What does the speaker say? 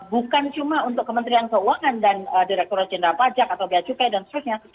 bukan cuma untuk kementerian keuangan dan direktur jenderal pajak atau biaya cukai dan seterusnya